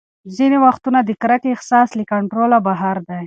ځینې وختونه د کرکې احساس له کنټروله بهر دی.